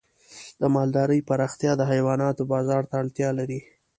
د مالدارۍ پراختیا د حیواناتو بازار ته اړتیا لري.